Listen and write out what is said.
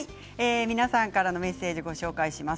皆さんからメッセージをご紹介します。